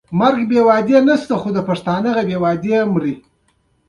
زنه یې د ښي لاس په ګوتو کې ټینګه نیولې وه.